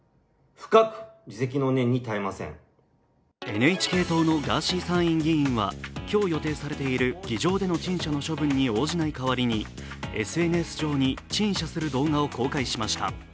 ＮＨＫ党のガーシー参院議員は今日予定されている議場での陳謝の処分に応じない代わりにＳＮＳ上に陳謝する動画を公開しました。